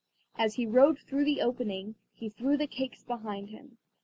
As he rode through the opening he threw the cakes behind him.